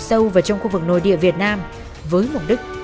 sương mù mưu rét dày đặc